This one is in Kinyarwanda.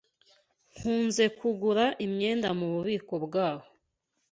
Nkunze kugura imyenda mububiko bwaho.